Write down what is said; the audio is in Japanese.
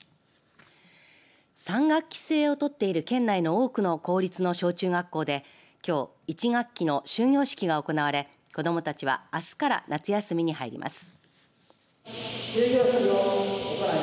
３学期制を取っている県内の多くの公立の小中学校できょう１学期の終業式が行われ子どもたちはあすから夏休みに入ります。